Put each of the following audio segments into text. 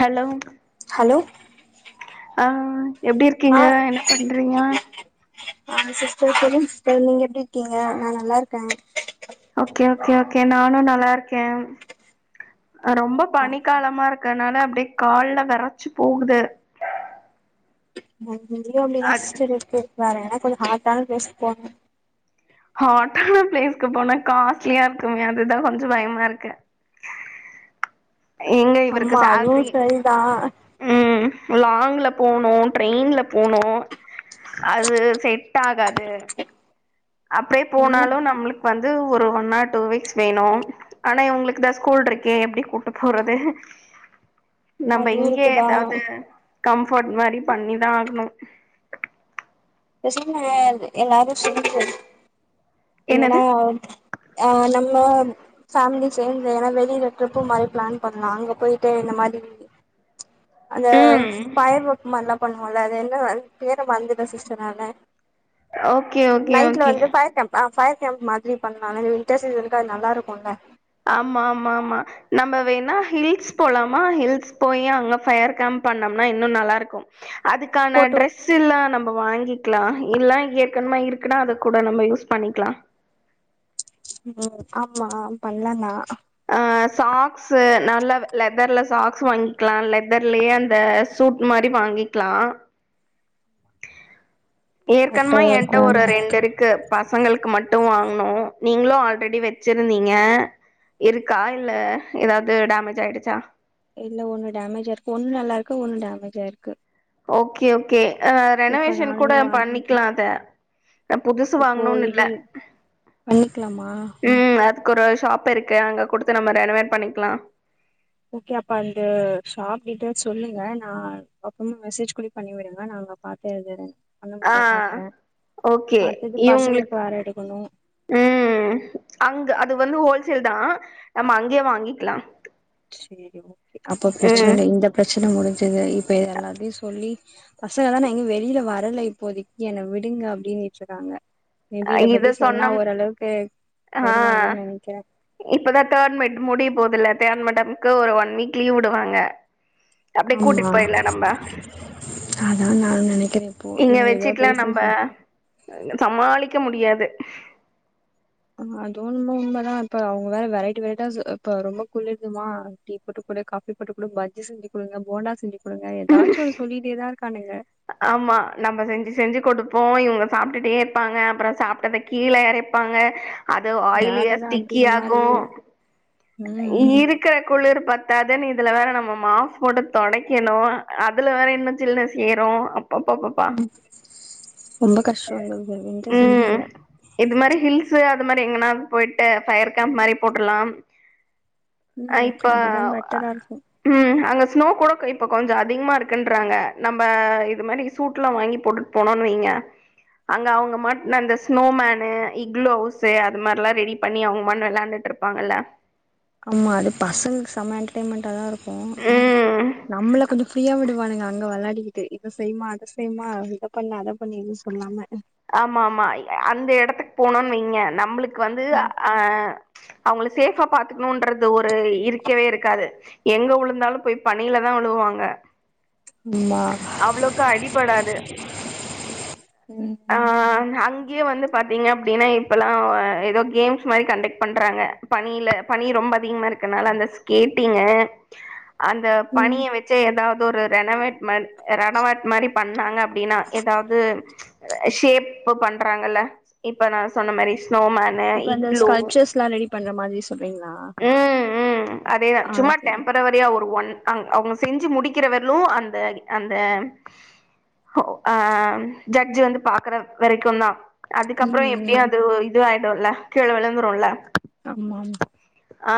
Hello hello ஆ எப்பிடி ஆ இருக்கீங்க என்ன பண்றீங்க ஆ சிஸ்டர் சொல்லுங்க சிஸ்டர் நீங்க எப்பிடி இருக்கீங்க நா நல்லா இருக்கே ஓகே ஓகே ஓகே நானு நல்லா இருக்கே ரொம்ப ஆ பனிக்காலமா இருக் க்கனால அப்டியே கால்ல வெரைச்சி போகுது நும் இங்கியு அப்டிதா அது சிஸ்டர் இருக்கு வேற ஏனா கொஞ்ச ஹார்டான பிளேஸ்க்கு போனு ஹார்டான பிளேஸ்க்கு போனா காஸ்ட்லியா இருக்குமே அதுதா கொஞ்ச பயமா இருக்கு எங்க இவருக்கு ஆமா அதுவு சேல்ரி சரிதா ம் லாங்ல போனு ட்ரெயின்ல போனு அது செட் ஆகாது அப்டே என்ன போனாலு நம்மளுக்கு வந்து ஒரு ஒன் ஆர் டூ வீக்ஸ் வேணு ஆனா இவங்களுக்கு தா ஸ்கூல் இருக்கே எப்படி கூட்டு போறது நம்ம அதுவு இங்கேயே இருக்குதா எதாது கம்ஃபோர்ட் மாரி பண்ணிதா ஆகணு பேசாம எல்லாரும் சொல்றது என்னது எங்கன்னா அ நம்ம ஃபேமிலி சேந்து ஏன்னா வெளியில ட்ரிப்பு மாரி பிளான் பண்ணலா அங்க போய்ட்டு இந்த மாரி அந்த ம் பயர் பக்கு மாரல்லா பண்ணுவோல்ல அது என்ன வந் பேர வந்து வ சிஸ் ச்சனன ஓகே ஓகே நைட்ல ஓகே வந்து ஃபயர் கேம் ஆ ஃபயர் கேம் மாதிரி பண்லான்னு வின்டர் சீசனுக்கு அது நல்லாருக்குல்ல ஆமா ஆமா ஆமா நம்ப வேணா ஹில்ஸ் போலாமா ஹில்ஸ் போலாமா ஹில்ஸ் போய் அங்க ஃபயர் கேம்ப் பண்ணம்னா இன்னு நல்லா இருக்கு அதுகான போட்டோ டிரெஸ் ஸ்ல்ல நம்ப வாங்கிக்கலா இல்ல ஏற்கனமா இருக்குன்னா அத கூட நம்ம யூஸ் பண்ணிக்கலா ம் ஆமா பண்லாதா ஆ சாக்ஸு நல்லா லெதர்ல சாக்ஸ் வாங்கிக்கலா லெதர்லயே அந்த சூட் மாரி வாங்கி க்லா கரெக்டா ஏற்கனமா தா ஏன்ட்ட இருக்கு ஒரு ரெண்டு இருக் க்கு பசங்களுக்கு மட்டு வாங்கனு நீங்களு ஆல்ரெடி வச்சிருந்தீங்க இருக்கா இல்ல ஏதாவது டேமஜ் ஆயிடுச்சா இல்ல ஒன்னு டேமேஜ் ஆய்ருக்கு ஒன்னு நல்லா இருக்கு ஒன்னு டேமேஜாருக்கு ஓகே ஓகே அ ரெனோவேஷன் கூட நானுமே வாங் பண்ணிக்கலா அத புதுசு இப்போ வாங்கணுன் இல்ல இது பண்ணிக்கலாமா ம் அதுக்கு ஒரு ஷாப் இருக்கு அங்க குடுத்து நம்ம ரெனவெட் பண்ணிக்கலா ஓகே அப்ப அந்த ஷாப் டீட்டெயில்ஸ் சொல்லுங்க நா அப்புறமா மெசேஜ் கூடி பண்ணிவிடுங்க நாங்க பாத் து அது அண்ணனுக்கு ஆ தா பாக்குறே ஓகே அடுத்தது இவுங்களுக்கு பசங்களுக்கு வேற எடுக்கனு ம் அங் அது வந்து ஹோல்சேல்தா நம்ம அங்கேயே வாங்கிகலா சேரி ஓகே அப்ப பிரச்சன இல்ல இந்த பிரச்சன முடிஞ்சது இப்ப இத எல்லாத்தையு சொல்லி பசங்க தான எங்கியு வெளியில வரல இப்போதைக்கு என்ன விடுங்க அப்டின்னுட்டுருக்காங்க மே பி இத பத்தி சொன்னா ஓரளவுக்கு ஆ வருவாங்கன் நெனைக்கிறே இப்பதா தேர்ட் மெட் முடிய போதல்ல தேர்ட் மிட்டமுக்கு ஒரு ஒன் வீக் லீவ்வுடுவாங்க ஆமா அதா நானு நெனைக்கிறே இப்போ இங்க இவங்கள எலோ வச்சுட்டுலா பேசி நம்ப ச சமாளிக்க முடியாது அதுவும் நம உண்மதான் இப்ப அவங்க வேற வெரைட்டி வெரைட்டா இப்ப ரொம்ப குள்ளிருதுமா டீ போட்டுக்குடு காஃபி போட்டுக்குடு பஜ்ஜி செஞ்சு கொடுங்க போண்டா செஞ்சு கொடுங்க ஏதாச்சும் ஒரு சொல்லிட்டேதா இருக்கானுங்க ஆமா நம்ம செஞ்சு செஞ்சு கொடுப்போம் இவங்க சாப்ட்டுட்டே இருப்பாங்க அப்றோ சாப்ட்டத கீழே இறைப்பாங்க அது ஆயிலியா வேலதா டிக்கி அதிகமா ஆகும் இருக்கு ம் இருக் க்கிற குளிர் பத்தாதுன்னு இதுல வேற நம்ம மாப் போட்டுத் தொடைக்கணும் அதுல வேற இன்னும் இதில வேறசேறும் அப்பப்ப ம் ரொம்ப கஷ்டோ இந்த வின்டர் ம் சீசன்ல இது மாரி ஹில்ஸ் அது மாதிரி எங்கனா போயிட்டு ஃபயர் கேம்ப் மாரி போட்றலாம் ஆ ம் இப்பா அதுதா ஆ பெட்டரா இருக்கு ம் அங்க ஸ்னோ கூட இப்போ கொஞ்சோ அதிகமா இருக்குன்றாங்க நம்ம இது மாரி சூட்லாம் வாங்கி போட்டு போனோனீங்க அங்க அவங்க மண் அந்த ஸ்னோமேனு இக்லவுஸ்சு அது மாரில்லாம் ரெடி பண்ணி அவங்க மண்ணு வெளையாண்டுட்டு இருப் பாங்கல்ல ஆமா அது பசங்க செம எண்டர்டயன்மெண்ட்டாதா இருக் கும் ம் நம்மள கொஞ்சோ ஃப்ரீயா விடுவானுங்க அங்க வெளையாடி டி இத செய்மா அத செய்மா இத பண்ண அத பண்ணின்னு சொல்லாம ஆமாம்மா அந்த எடத்துக்கு போனும்ன்னு வைங்க நம்மளுக்கு வந்து அ அவங்கள சேஃபா பாத்துக்கணும்ன்றது ஒரு இருக்கவே இருக்காது எங்க விழுந்தாலும் போய் பனில தான் உழுவாங்க ஆமா அவ்ளோக்கா அடிபடாது ம் ஆ ம் அங் ங்கே வந்து பாத்தீங்க அப்டின்னா இப்பல்லாம் ஏதோ கேம்ஸ் மாரி கண்டக்ட் பண்றாங்க பனில பனி ரொம்ப அதிகமா இருக்கனால அந்த ஸ்கேட்டிங்கு அந்த ம் பனிய வச்சு ஏதாவது ஒரு ரெனவேட் மென் ரெனவெட் மாரி பண்ணாங்க அப்டின்னா ஏதாவது ஷேப்பு பண்றாங்கல்ல இப்ப நா சொன்ன மாரி ஸ்னோமேனு இக்லு நீ சொல்ரீங்ளா ம் ம் அதேதான் சும்மா டேம்ப றரியா ஒரு ஒன் அவு அவங்க செஞ்சு முடிக்கிறவரைலும் அந்த அந்த ஓ அ அ ஜட்ஜி வந்து பாக்குற வெரைக்கும் தான் ம் அதுக்கப்றோ எப்டியும் ம் அது இது ஆயிடும்ல கீழே விழுந்துருல ஆமா ஆ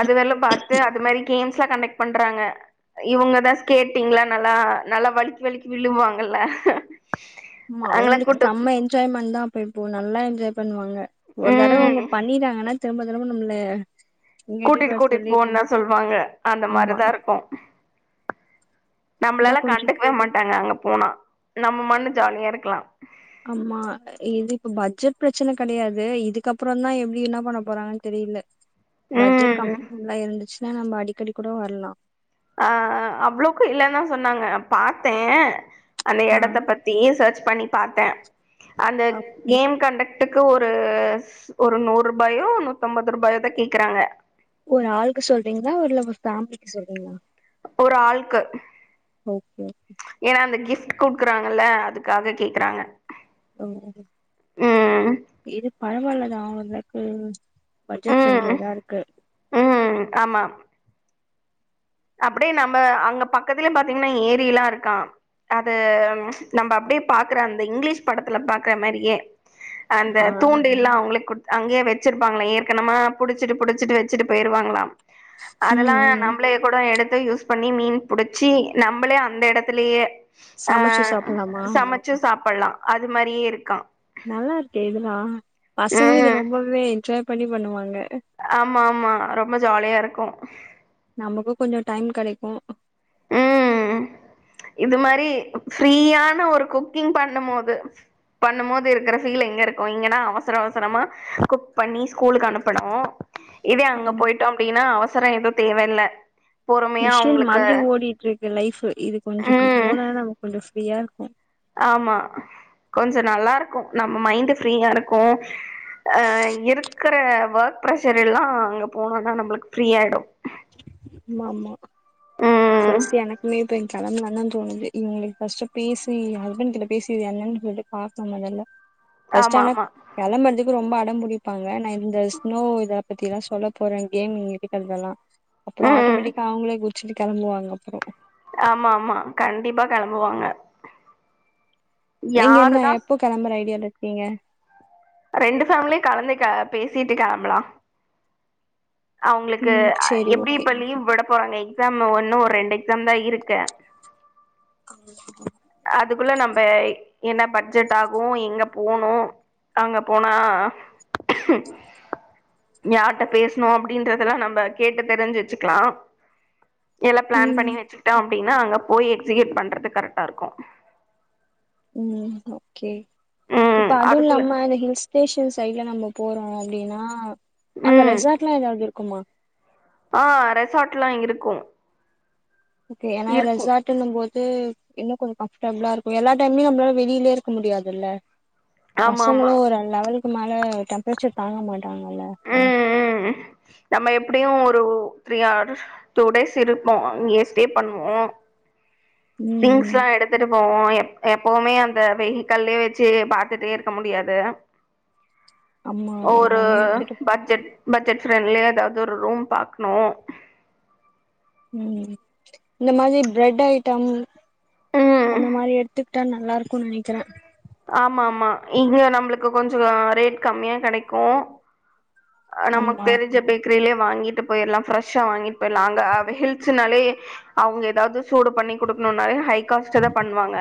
அதுவெல்லாம் பாத்து அது மாரி கேம்ஸ் எல்லாம் கண்டெக்ட் பண்றாங்க இவங்கதான் ஸ்கேட்டிங்ல்ல நல்லா நல்லா வழிக்கி வழிக்கி விழுவாங்கல்ல ஆமா அங்கள அவங்களுக்கு கூட்டு செம்ம என்ஜாய்மெண்ட் தான் அப்ப இப்போ நல்லா என்ஜாய் பண்ணுவாங்க ஒரு தரவ ம் அவுங்க பண்ணிட்டாங்கன்னா திரும்ப திரும்ப நம்மள இங்க இட்டுட்டு கூட்டிட்டு வர கூட்டிட்டு சொல்லி போண்தா சொல்வாங்க அந்த ஆமா மாரிதா இருக்கு இன்னா நம்மளால கொஞ்சோ கண்டுக்கவே மாட்டாங்க அங்க போனா நம்ம மண்ணு ஜாலியாருக்கலா ஆமா இது இப்ப பட்ஜெட் பிரச்சன கெடையாது இதுக்கப்றந்தா எப்டி என்ன பண்ண போறாங்கன்னு தெரில பட்ஜெட் ம் கம்ஃபர்ட்பிளா இருந்துச்சுன்னா நம்ம அக்கடி கூட வர்லா ஆ ஆ அவ்ளோக்கு இல்லதா சொன்னாங்க பாத்தேன் அந்த ஆ எடத்த ப த்தி சர்ச் பண்ணி பாத்தன் அந்த அப்- கேம் கண்டக்ட் இத்துக்கு ஒரு ஒரு நூறு பாயோ நூத்தம்பது ரூபாயதா கேக்குறாங்க ஒரு ஆளுக்கு சொல்றீங்களா ஊருல ஒரு ஃபேமிலிக்கு சொல்றீங்களா ஒரு ஆள்க்கு ஓகே ஏன்னா அந்த கிஃப்ட் குடுக்குறாங்கல்ல அதுக்காக கேக்குறாங்க ஓ ம் இது பரவாலதான் அவங்களுக்கு பட்ஜட் ப்ரண்லியா தான் இருக்கு ம் ம் ஆமா அப்டியே நம்ம அங்க பக்கத்துலே பாத்தீங்கன்னா ஏரிலாம் இருக்கா அது நம்ப அப்டியே பாக்குற அந்த இங்கிலீஷ் படத்துல பாக்குற மாறியே அந்த ஆ தூண்டில்லா அவுங்ளே கு அங்கயே வெச்சிருப்பாங்ளா ஏற்கனமா புடிச்சிட்டு புடிச்சிட்டு வெச்சுட்டு போயிருவாங்களாம் ம் அதனால ம் நம்ளே கூட எடுத்து யூஸ் பண்ணி மீன் புடிச்சி நம்மளே அந்த எடத்துலயே அ சமைச்சு சாப்பலாமா சமைச்சு சாப்புலா அது மாரியே இருக்கா நல்லா இருக்கே இதுனா பசங்களு இத ம் ரொம்பவே என்ஜாய் பண்ணி பண்ணுவாங்க ஆமாமா ரொம்ப ஜாலியா இருக்கு நமக்கு கொஞ்சோ டைம் கெடைக்கு ம் இது மாரி ஃப்ரீயான ஒரு குக்கிங் பண்ணும்போது பண்ணும்போது இருக்கிற ஃபீல் எங்கிருக்கு இங்கன்னா அவசர அவசரமா குக் பண்ணி ஸ்கூலுக்கு அனுப்பனு இதே அங்க போயிட்டோ அப்டின்னா அவசரோ எதுவு தேவ இல்ல பொறுமையா மிஷின் அவுங்களுக்கு மாதிரி ஓடிட்டு இருக்கு லைஃப் இது கொஞ்சோ ம் இப்போனானா நமக்கு கொஞ்சோ ஃப்ரீயா இருக்கு ஆமா கொஞ்சோ நல்லா இருக்கு நம்ம மைண்ட்டு ஃப்ரீயா இருக்கு ஆ இருக்கற ஒர்க் ப்ரெஷர் எல்லா அங்க போனோனா நம்மளுக்கு ஃப்ரீயாயிடு ஆமாமா ம் ஃபர்ஸ்ட்டு எனக்குமே இப்போ இங் கெளம்பலான்தா தோணுது இவ்ங்ளுக்கு ஃபர்ஸ்ட்டு ஃபீஸு என் ஹஸ்பண்ட் கிட்ட பேசி என்னன்னு சொல்லி பாக்கணு மொதல்ல ஃப்ர்ஸ்ட்டு ஆமா ஆனா ஆமா கெளம்பறதுக்கு ரொம்ப அடம்புடிப்பாங்க நா இத ஸ்னோ இத பத்தியெல்லா சொல்ல போறன் கேமிங் இருக்கிறதல்லா அப்றோ ம் ஆட்டோமேட்டிக்கா அவுங்ளே குதிச்சிட்டு கெளம்புவாங்க அப்றோ ஆமா ஆமா கண்டிப்பா கெளம்புவாங்க நீங்க என்ன யாருதா எப்போ கெளம்பற ஐடியால இருக்கீங்க? ரெண்டு ஃபேமிலியு கலந்துக்க பேசிட்டு கெளம்பலா அவுங்களுக்கு ம் சேரி எப்டி ஓகே இப்ப லீவ் விட போறாங்க எக்ஸாம் ஒன்னு ஒரு ரெண்டு எக்ஸாம்தா இருக்கு அவுங்களுக்கு [unintelligible] அதுக்குள்ள நம்ப என்ன பட்ஜெட் ஆகு எங்க போனு அங்க போனா யார்ட்ட பேசணு அப்டின்றதெல்லா நம்ம கேட்டு தெரிஞ்சு வெச்சுக்கலா எல்லா ப்ளான் பண்ணி ம் வெச்சுகிட்டோ அப்டின்னா அங்க போய் எக்ஸிகியூட் பண்றதுக்கு கரெக்டா இருக்கு ம் ஓகே இப்ப ம் அதுக்குள்ள அதுல்லாம அந்த ஹில்ஸ் பேஷன் சைட்ல நம்ம போறோ அப்டின்னா அங்க ம் ரெசாட்லா ஏதாவது இருக்குமா ஆ ரெசாட் லா இங்க இருக்கு ஓகே ஏனா இருக்கு ரெசார்ட் இன்னு போது இன்னு கொஞ்ச கம்ஃபர்டபிளா இருக்கு எல்லா டைம்லையு நம்மளால வெளிலயே இருக்க முடியாதுல்ல ஆமா ஆமா பசங்களு ஒரு அ லெவலுக்கு மேல டெம்பரேச்சர் தாங்க மாட்டாங்கல்ல ம் ம் ம் நம்ம எப்படியு ஒரு த்ரீ ஆர்ஸ் டூ டேஸ் இருப்போ அங்கயே ஸ்டே பண்ணுவோ ம் திங்ஸ் எல்லா எடுத்துட்டு போவோ எப் எப்பவுமே அந்த வெஹிக்கல்லே வச்சு பாத்துட்டே இருக்க முடியாது ஆமா ஒரு எல்லாமே எடுத்துட்டு போ. பட்ஜெட் பட்ஜெட் ஃப்ரெண்ட்லியா எதாவது ஒரு ரூம் பாக்கணு ம் இந்த மாரி பிரெட் ஐட்டம் ம் அந்த மாரி எடுத்து ட்டா நல்லாருக்குன்னு நெனைக்கிற ஆமாமா இங்க நம்மளுக்கு கொஞ்சோ ரேட் கம்மியா கெடைக்கு அ நமக்கு ஆமா தெரிஞ்ச பேக்கரிலே வாங்கிட்டு போயிரலாம் ஃப்ரெஷ்ஷா வாங்கி போயிரலா அங்க அவ ஹில்ஸ்னாலே அவுங்க ஏதாவது சூடு பண்ணி குடுக்கணுனாலே ஹை காஸ்ட்டு தா பண்ணுவாங்க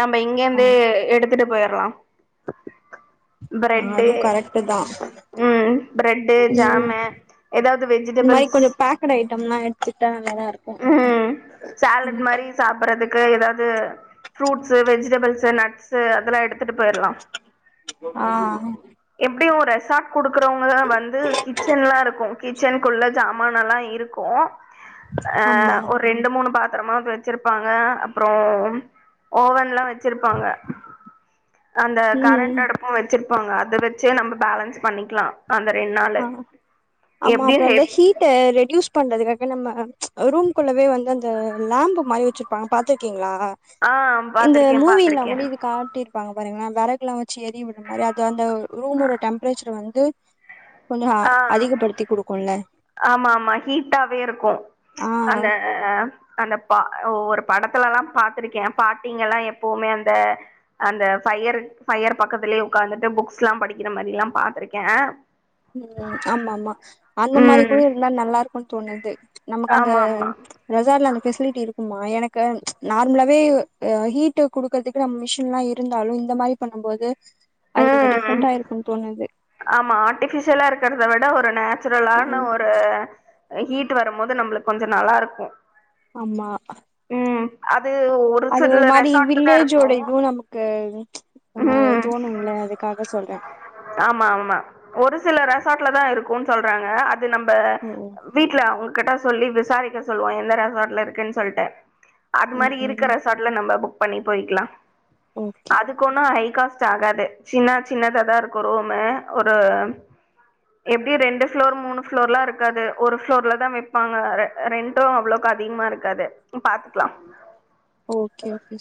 நம்ப ஆ இங்கந்து எடுத்துட்டு போயிரலாம் ஆ அதுவு கரெக்ட்டு தா ம் பிரெட்டு ம் ஜாம்மு ஏதாவது வெஜிடபுள்ஸ் க்கனு ஐட்டம் லா எடுத்துக்ட்டா நல்ல தா இருக் ம் சேலட் மாரி சாப்பறதுக்கு எதாவது ஃப்ரூட்ஸு வெஜிடபிள்ஸு நட்ஸு அதெல்லா எடுத்துட்டு போயிரலா ஆ எப்டியு ஒரு ரெசார்ட் குடுக்குறவங்க வந்து கிச்சன்லா இருக்கு கிச்சனுக்குள்ள ஜாமான் எல்லா இரு கு அ ஆமா ஒரு ரெண்டு மூணு பாத்தரமா வச்சிருப்பாங்க அப்புற ஓவன் லா வ ச்சிருப்பாங்க அந்த ம் கரண்ட்டு அடுப் பு வச்சுருப்பாங்க அத வச்சே நம்ம பேலன்ஸ் பண்ணிக்கலா அந்த ரெண்ட் நாளு எப்டி ஹேப் ட ரெடியூஸ் பண்றதுக்காக நம்ம ரூம் குள்ளவே வந்து அந்த லேம்பு மாரி வச்சிருப்பாங்க பாத்துருக்கீங்களா ஆ இந்த பாத்திருக்கே மூவி எல்லா பாத்திருக்கே முடிது கா ட்டி இருப்பாங்க பாருங்களே விறகுல்லா வச்சு எரிய விடுற மாரி அது அந்த ரூமோட டெம்பரேச்சர் வந்து கொஞ்சோ ஆ அதிகப்படுத்தி குடுக்குல்ல ஆமா ஆமா ஹீட்டாவே இருக்கு ஆ அந்த அ அந்த பா ஒரு படத்துல எல்லா பாத்திருக்கே பாட்டிங்கல்லா எப்போமே அந்த அந்த ஃபயரரு ஃபயர் பக்கத்துலயே ஒக்காந்துட்டு புக்ஸ் எல்லா படிக்கிற மாரி எல்லா பாத்திருக்கே ம் ஆமா ஆமா அந்த மாரி கூட ம் இருந்தா நல்லா இருக்குன்னு தோணுது நமக்கு அந்த ஆமா ஆமா ரெசாட்ல அந்த பெஃசிலிட்டி இருக்குமா எனக்கு நார்மலாவே ஹீட்டு குடு குடுக்கறதுக்கு நம்ம மெஷின்லா இருந்தாலு இந்த மாரி பண்ணம் போது அது கொஞ்ச ம் டிஃப்ரெண்டா இருக்குன்னு தோணுது ஆமா ஆர்ட்டிஃபிஷியலா இருக்கிறத விட ஒரு நேச்சுரலான ம் ஒரு ஆ ஹீட்டு வரும்போது நம்மளுக்கு கொஞ்ச நல்லா இருக்கு ஆமா ம் அது ஒ அது ஒரு மாரி வில்லேஜோட இதுவு நமக்கு ஆ ம் தோணுல்ல அது க்காக சொல்றே ஆமா ஆமா ஒரு சில ரெசார்ட்ல தா இருக்குன்னு சொல்றாங்க அது நம்ப ம் வீட்ல அவுங்க கிட்ட சொல்லி விசாரிக்க சொல்லுவோ எந்த ரெசார்ட்ல இருக்குன் சொல்ட்டு அது மாரி இருக்க ரெசார்ட்ல நம்ப புக் பண்ணி போயிக்கலா ஓகே அதுக்கு ஒன்னு ஹை காஸ்ட் ஆகாது சின்ன சின்னத தா இருக்கு ரூமு ஒரு எப்படியு ரெண்டு ஃப்ளோர் மூணு ஃப்ளோர்லா இருக்காது ஒரு ஃப்ளோர்ல தா வைப்பாங்க ரெ ரெண்ட்டு அவ்வளக்கு அதிகமா இருக்காது பாத்துக்கலா ஓகே ஓகே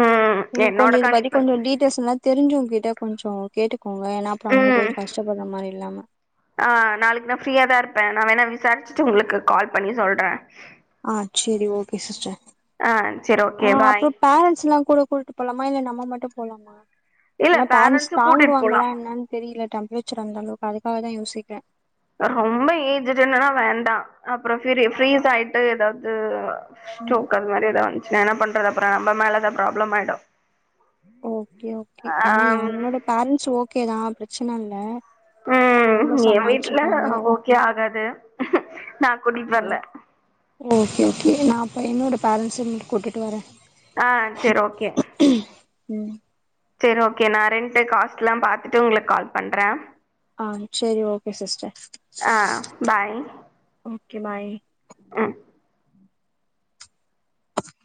ம் நீங்க கொஞ்ச என்னோட இத பத்தி கணிப்பு கொஞ்சோ டீ டஸ்லா தெரிஞ்சவங்கிட்ட கொஞ்சோ கேட்டுக்கோங்க ஏன்னா அப்புற அங்க ம் போயிட்டு கஷ்டப்படுற மாரி இல்லாம ஆ நாளைக்கு நா ஃப்ரீயா தா இருப்பே நா வேணா விசாரிச்சிட்டு உங்களுக்கு கால் பண்ணி சொல்றே ஆ சேரி ஓகே சிஸ்டர் ஆ சரி ஆ ஓகே பாய் அப்புற பேரண்ட்ஸ் எல்லா கூட கூட்டு போலாமா இல்ல நம்ம மட்டு போலாமா இல்ல ஏன்னா பேரண்ட்ஸ் பேரண்ட்ஸ கூட்டிட்டு போலா தாங்குவாங்களா என்னன் தெரில டெம்ப்ரேச்சர் அந்த அளவுக்கு அதுக்காகதா யோசிக்றே அ ரொம்ப ஏஜ்ஜுடுன்னா வேண்டா அப்புற ஃப்ரீ ஃப்ரீஸ் ஆயிட்டு ஏதாவது ம் ஸ்ட்ரோக் அந்த மாரி எதா வந்துச்சுன்னா என்ன பண்றது அப்புற நம்ப மேலதா ப்ராப்ளம் ஆய்டு ஓகே ஓகே ஏன்னா எங்களோட பேரண்ட்ஸ் ஓகேதா பிரச்சனை இல்ல அவங்க ம் என் வீட்ல சமாளிச்சுப்பாங்க ஓகே ஆகாது நா கூட்டிட்டு ஓ வர்ல ஓகே ஓகே நா அப்ப என்னோட பேரண்ட்ஸும் கூட்டிட்டு வரே ஆ செர் ஓகே ம் செரி ஓகே நா ரெண்ட்டு காஸ்ட்லா பாத்துட்டு உங்களுக்கு கால் பண்ற ஆ செரி ஓகே சிஸ்டர் ஆ ஓகே பாய் அ